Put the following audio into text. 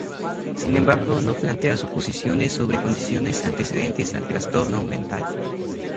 Sin embargo no plantea suposiciones sobre condiciones antecedentes al trastorno mental.